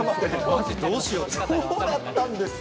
えー、そうだったんですか。